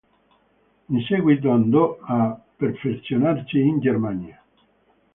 In seguito andò a perfezionarsi in Germania.